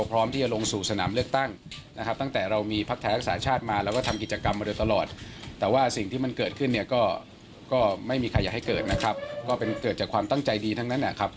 ก็ไม่มีใครอยากให้เกิดนะครับก็เป็นเกิดจากความตั้งใจดีทั้งนั้นนะครับ